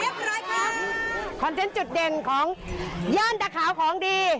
ร้อยครับคอนเทนต์จุดเด่นของย่านตะขาวของดี